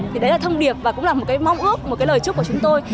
thì đấy là thông điệp và cũng là một cái mong ước một cái lời chúc của chúng tôi